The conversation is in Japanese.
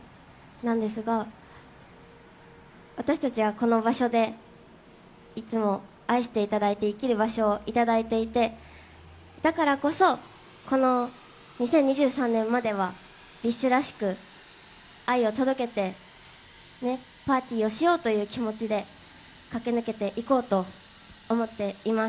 なんですが、私たちはこの場所でいつも愛していただいて生きる場所をいただいていて、だからこそ２０２３年まではＢｉＳＨらしく、愛を届けてパーティーをしようという気持ちで駆け抜けて行こうと思っています。